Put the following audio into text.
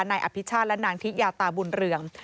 นายอภิชาติและนางทิยาตาบุญเรือง